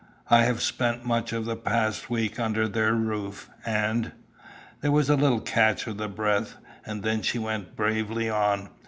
I have spent much of the past week under their roof, and " There was a little catch of the breath, and then she went bravely on.